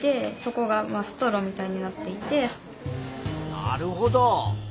なるほど。